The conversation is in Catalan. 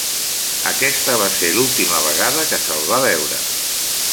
Aquesta va ser l'última vegada que se'l va veure.